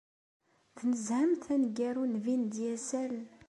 Tnezzhemt aneggaru n Vin Diesel?